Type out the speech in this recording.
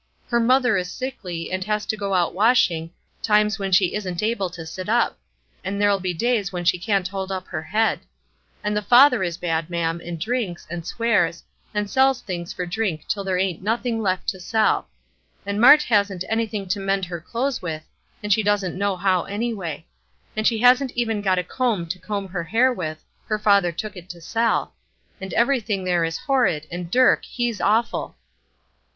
Her mother is sickly, and has to go out washing, times when she isn't able to sit up; and there'll be days when she can't hold up her head; and the father is bad, ma'am, and drinks, and swears, and sells things for drink till there ain't nothing left to sell; and Mart hasn't anything to mend her clothes with, and she doesn't know how, anyway; and she hasn't even got a comb to comb her hair with, her father he took it to sell; and everything there is horrid, and Dirk, he's awful."